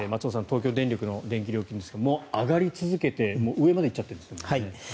東京電力の電気料金ですが上がり続けて上まで行っちゃってるんですね。